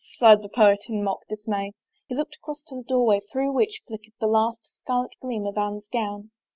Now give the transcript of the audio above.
sighed the poet in mock dismay. He looked across to the doorway through which flickered the last scarlet gleam of Anne's gown.